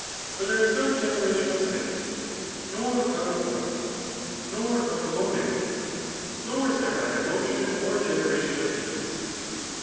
For there U not generation of sight, nor of a point, nor of the monad ; nor is there either motion or generation of these.